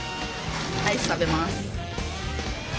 アイス食べます。